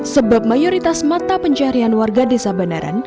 sebab mayoritas mata pencarian warga desa bandaran